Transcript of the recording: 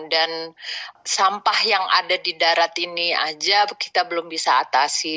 dan sampah yang ada di darat ini aja kita belum bisa atasi